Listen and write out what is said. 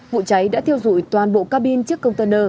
vụ cháy đã thiêu dụi toàn bộ cabin chiếc cộng tờ nờ